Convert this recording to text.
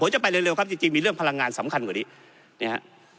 จะไปเร็วครับจริงมีเรื่องพลังงานสำคัญกว่านี้นะฮะ